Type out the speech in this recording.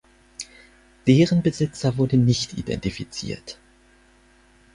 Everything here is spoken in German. Deren Besitzer wurde nicht identifiziert.